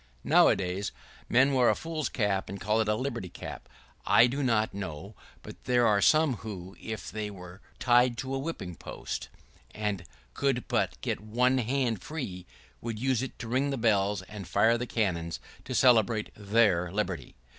Nowadays, men wear a fool's cap, and call it a liberty cap. I do not know but there are some who, if they were tied to a whipping post, and could but get one hand free, would use it to ring the bells and fire the cannons to celebrate their liberty.